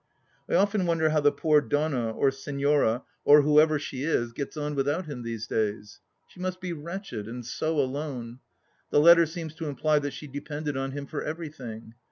I often wonder how the poor Donna, or Senhora, who THE LAST DITCH 143 ever she is, gets on without him these days ? She must be wretched, and so alone. The letter seems to imply that she depended on him for everything.